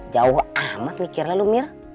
jauh amat mikirnya lu mir